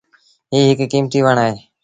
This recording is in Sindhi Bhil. ايٚ هڪ ڪيمتيٚ وڻ اهي۔